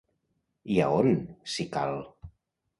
I a on, si cal?